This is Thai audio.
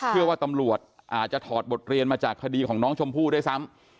เชื่อว่าตำรวจอาจจะถอดบทเรียนมาจากคดีของน้องชมพู่ด้วยซ้ำ